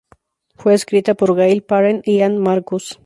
Fue escrita por Gail Parent y Ann Marcus.